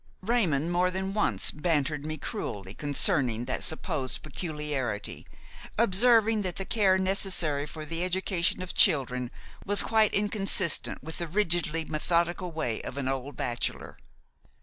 Raymon more than once bantered me cruelly concerning that supposed peculiarity, observing that the care necessary for the education of children was quite inconsistent with the rigidly methodical ways of an old bachelor.